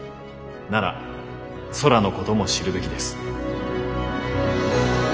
なら空のことも知るべきです。